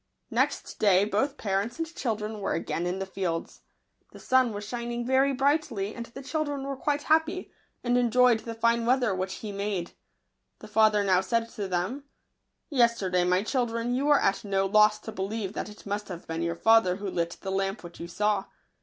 Next day both parents and children were again in the fields. The sun was shining very brightly, and the children were quite happy, and enjoyed the fine weather which he made. The father now said to them, " Yester day, my children, you were at no loss to believe that it must have been your father who lit the lamp which you saw.